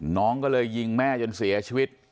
น้องก็เลยยิงแม่จนเสียชีวิต